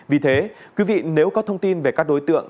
vì thế quý vị nếu có thông tin về các đối tượng